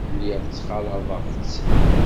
Lliɣ ttxalaḍeɣ-tt.